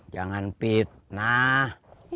jangan pit nah